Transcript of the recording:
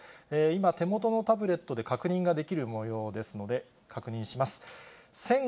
今、手元のタブレットで確認ができるもようですので、確認します。